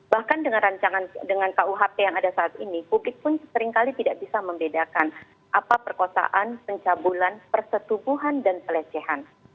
bahkan dengan rancangan dengan kuhp yang ada saat ini publik pun seringkali tidak bisa membedakan apa perkosaan pencabulan persetubuhan dan pelecehan